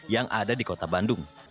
yang ada di kota bandung